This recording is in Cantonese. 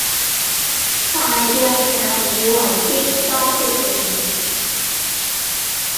大約也以爲應當的了。